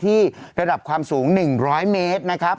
ระดับความสูง๑๐๐เมตรนะครับ